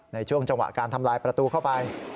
ในช่วงจังหวะการทำลายประตูเข้าไป